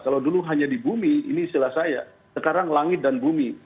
kalau dulu hanya di bumi ini istilah saya sekarang langit dan bumi